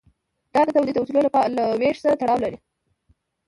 دا د تولید د وسایلو له ویش سره تړاو لري.